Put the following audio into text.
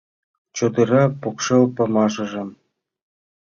Чодыра покшел памашыжым